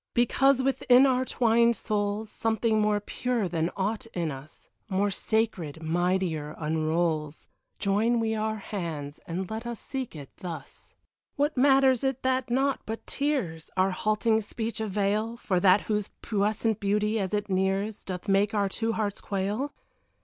Because within our twined souls Something more pure than aught in us, More sacred, mightier, unrolls Join we our hands, and let us seek it thus. What matters it that naught but tears, Our halting speech avail For that whose puissant beauty, as it nears, Doth make our two hearts quail?